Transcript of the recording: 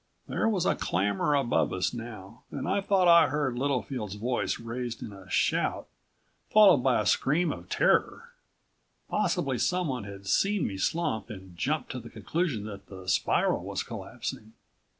There was a clamor above us now, and I thought I heard Littlefield's voice raised in a shout, followed by a scream of terror. Possibly someone had seen me slump and jumped to the conclusion that the spiral was collapsing.